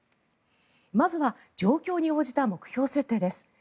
まずは状況に応じた目標設定です。